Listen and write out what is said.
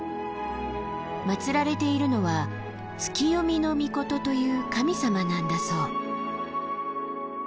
祀られているのは月読命という神様なんだそう。